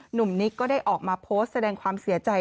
หนุ่มนิกก็ได้ออกมาโพสต์แสดงความเสียใจ